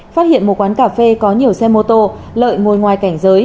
phát hiện một quán cà phê có nhiều xe mô tô lợi ngồi ngoài cảnh giới